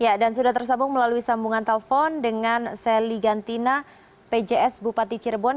ya dan sudah tersambung melalui sambungan telepon dengan sally gantina pjs bupati cirebon